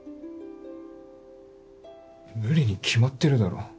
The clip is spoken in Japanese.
無理に決まってるだろ。